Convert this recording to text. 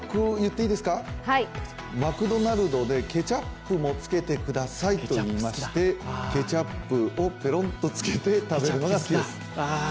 マクドナルドでケチャップもつけてくださいと言いましてケチャップをペロンとつけて食べるのが好きです。